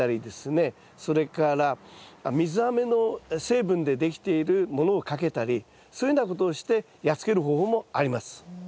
それから水あめの成分でできているものをかけたりそういうようなことをしてやっつける方法もあります。